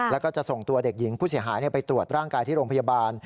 แล้วก็จะส่งตัวเด็กหญิงผู้เสียหายไปตรวจร่างกายที่โรงพยาบาล